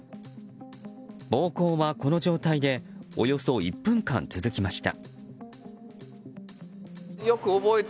暴行はこの状態でおよそ１分間続きました。